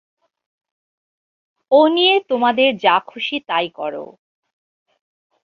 ও নিয়ে তোমাদের যা-খুশি তাই করো।